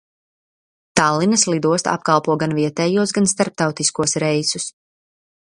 Tallinas lidosta apkalpo gan vietējos, gan starptautiskos reisus.